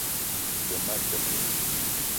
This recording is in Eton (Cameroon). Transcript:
G-beu ma tok gni.